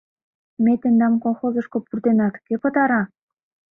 Ме тендам колхозышко пуртенат, кӧ пытара?